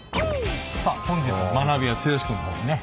さあ本日の学びは剛君の方にね。